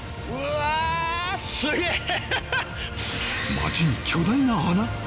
街に巨大な穴！？